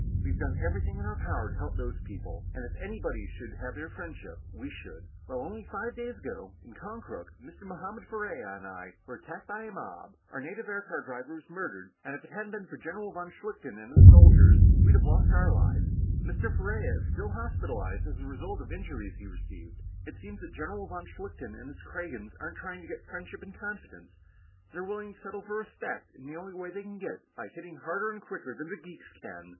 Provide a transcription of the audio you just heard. We've done everything in our power to help these people, and if anybody should have their friendship, we should. Well, only five days ago, in Konkrook, Mr. Mohammed Ferriera and I were attacked by a mob, our native aircar driver was murdered, and if it hadn't been for General von Schlichten and his soldiers, we'd have lost our own lives. Mr. Ferriera is still hospitalized as a result of injuries he received. It seems that General von Schlichten and his Kragans aren't trying to get friendship and confidence; they're willing to settle for respect, in the only way they can get it by hitting harder and quicker than the geeks can."